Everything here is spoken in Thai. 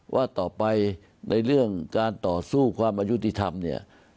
ว่าต่อไปในเรื่องการต่อสู้ความอายุติธรรมเนี่ย